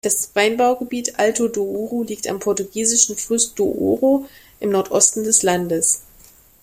Das Weinbaugebiet "Alto Douro" liegt am portugiesischen Fluss Douro im Nordosten des Landes.